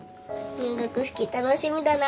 入学式楽しみだな。